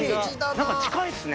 何か近いですね。